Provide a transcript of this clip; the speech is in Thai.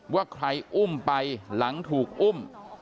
ว่าใครอุ้มไปหลังถูกอุ้ม